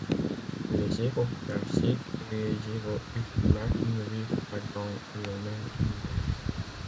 Les héros classiques et les héros Ultimate ne vivent pas dans le même univers.